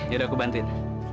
ya udah aku bantuin